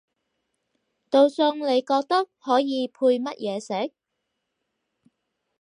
道餸你覺得可以配乜嘢食？